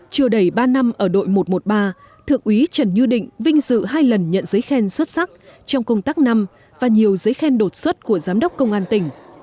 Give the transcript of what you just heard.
trưa đầy ba năm ở đội một trăm một mươi ba thượng úy trần như định vinh dự hai lần nhận giấy khen xuất sắc trong công tác năm và nhiều giấy khen đột xuất của giám đốc công an tỉnh